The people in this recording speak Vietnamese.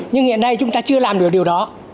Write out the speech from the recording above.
nhưng hiện nay chúng ta chưa làm được điều đó